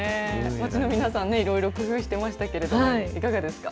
街の皆さん、いろいろ工夫してましたけれども、いかがですか。